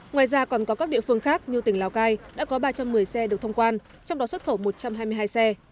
ngoài ra còn có các địa phương khác như tỉnh lào cai đã có ba trăm một mươi xe được thông quan trong đó xuất khẩu một trăm hai mươi hai xe